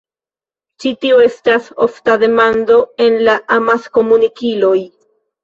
Ĉi tio estas ofta demando en la amaskomunikiloj.